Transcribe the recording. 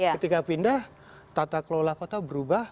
ketika pindah tata kelola kota berubah